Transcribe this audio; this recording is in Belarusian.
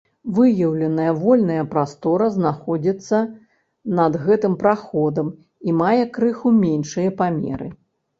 Выяўленая вольная прастора знаходзіцца над гэтым праходам і мае крыху меншыя памеры.